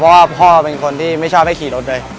เพราะว่าพ่อเป็นคนที่ไม่ชอบให้ขี่รถเลย